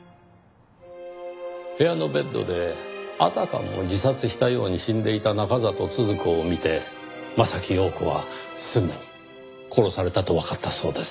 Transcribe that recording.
部屋のベッドであたかも自殺したように死んでいた中郷都々子を見て柾庸子はすぐに殺されたとわかったそうです。